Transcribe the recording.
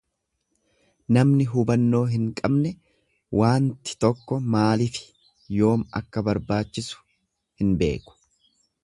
Namni hubannoo hin qabne waanti tokko maalifi yoom akka barbaachisu hin beeku.